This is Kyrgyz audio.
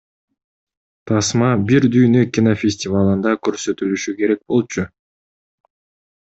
Тасма Бир Дүйнө кинофестивалында көрсөтүлүшү керек болчу.